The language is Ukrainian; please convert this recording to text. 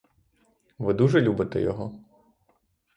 Ви дуже любите його?